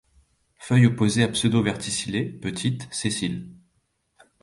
Feuilles opposées à pseudo-verticillées, petites, sessiles.